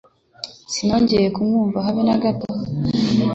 Sinongeye kumwumva habe nagato.